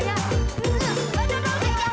eh teh nim dadsal